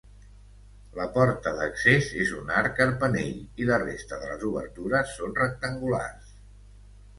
La porta d'accés és un arc carpanell i la resta de les obertures són rectangulars.